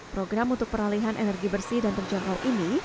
program untuk peralihan energi bersih dan terjangkau ini